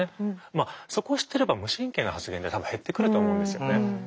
まあそこを知っていれば無神経な発言って多分減ってくると思うんですよね。